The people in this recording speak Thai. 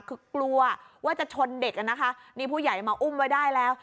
คือกลัวว่าจะชนเด็กอ่ะนะคะนี่ผู้ใหญ่มาอุ้มไว้ได้แล้ว